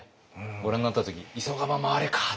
ご覧になった時急がば回れかと。